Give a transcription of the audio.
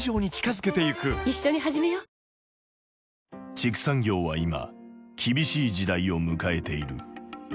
畜産業は今厳しい時代を迎えている。